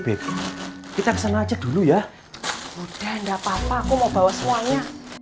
beb kita kesana aja dulu ya udah enggak papa aku mau bawa semuanya